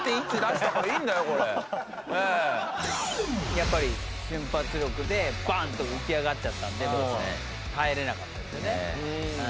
やっぱり瞬発力でバンッと浮き上がっちゃったんで耐えられなかったですよね。